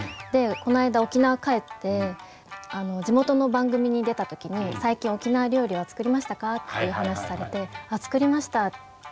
でこの間沖縄帰って地元の番組に出たときに「最近沖縄料理は作りましたか？」っていう話されて「あっ作りました。